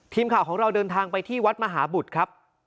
ทีมข่าวของเราเดินทางไปที่วัดมหาบุตรครับ